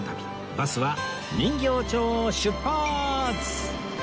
バスは人形町を出発！